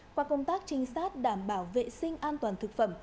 qua công tác trinh sát đảm bảo vệ sinh an toàn thực phẩm